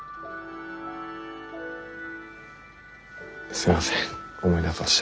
すいません思い出さして。